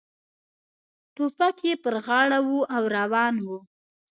ټوپک یې پر غاړه و او روان و.